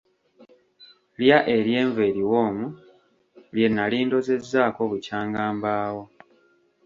Lya eryenvu eriwoomu lye nali ndozezaako bukyangambawo.